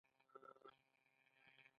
د هغوی پر خبرو غوږ نیوی.